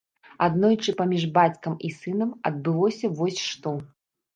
Аднойчы паміж бацькам і сынам адбылося вось што.